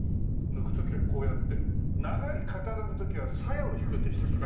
抜く時はこうやって長い刀の時は鞘を引くんでしたっけ？